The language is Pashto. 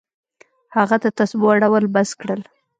هغه د تسبو اړول بس کړل.